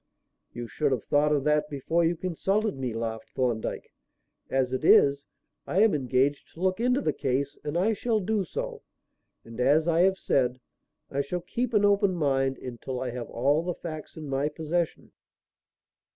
"You should have thought of that before you consulted me," laughed Thorndyke. "As it is, I am engaged to look into the case and I shall do so; and, as I have said, I shall keep an open mind until I have all the facts in my possession."